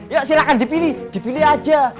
ya silahkan dipilih dipilih aja